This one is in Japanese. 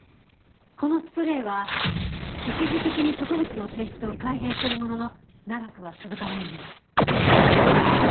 このスプレーは一時的に植物の性質を改変するものの長くは続かないんです。